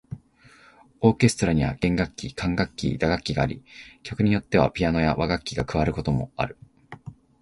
オーケストラには弦楽器、管楽器、打楽器があり、曲によってはピアノや和楽器が加わることもある。